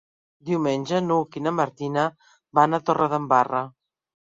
Diumenge n'Hug i na Martina van a Torredembarra.